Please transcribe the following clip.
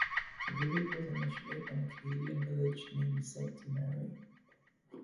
The village was initially an Acadian village named Sainte Marie.